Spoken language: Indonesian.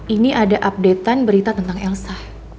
ini ada update an berita tentang elsa